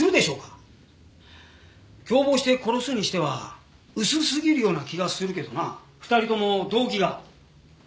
共謀して殺すにしては薄すぎるような気がするけどな２人とも動機が。